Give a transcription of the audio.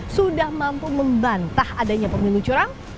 sudah mampu membantah adanya pemilu curang